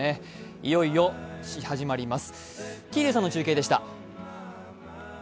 いよいよ始まります。